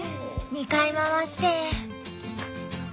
２回回して。